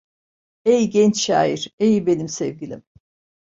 Ey genç şair, ey benim sevgilim!